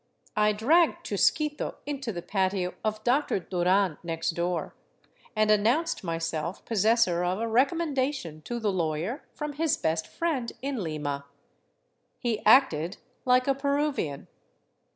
I dragged Chusquito into the patio of Dr. Duran next door, and announced myself possessor of a recommendation to the lawyer from his best friend in Lima. He acted like a Peruvian.